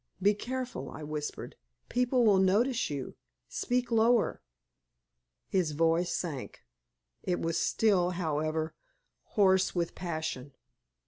"Be careful," I whispered. "People will notice you; speak lower." His voice sank; it was still, however, hoarse with passion.